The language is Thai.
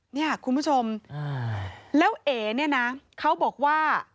เนี่ยคุณผู้ชมแล้วเอ๋เนี่ยนะเขาบอกว่า